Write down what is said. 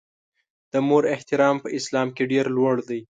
د مور احترام په اسلام کې ډېر لوړ دی.